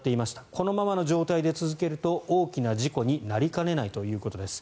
このままの状態で続けると大きな事故になりかねないということです。